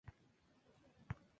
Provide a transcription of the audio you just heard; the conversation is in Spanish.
David Hall